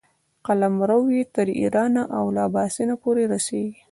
قلمرو یې تر ایرانه او له اباسین پورې رسېږي.